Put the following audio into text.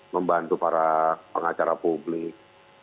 membantu para pengacara publik